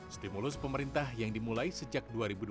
stimulus pemerintah yang dimulai sejak dua ribu dua puluh